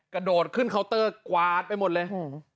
กระโดดขึ้นเคาน์เตอร์กวาดไปหมดเลย